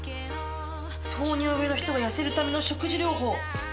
糖尿病の人が痩せるための食事療法。